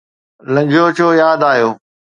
لنگهيو ڇو ياد آيو؟